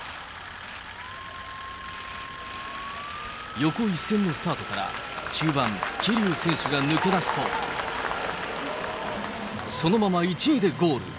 横一線のスタートから中盤、桐生選手が抜け出すと、そのまま１位でゴール。